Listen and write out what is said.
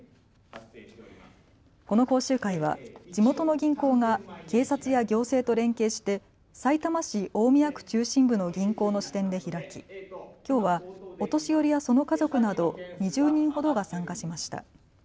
この講習会は地元の銀行が警察や行政と連携してさいたま市大宮区中心部の銀行の支店で開ききょうはお年寄りやその家族など２０人ほどが参加しました。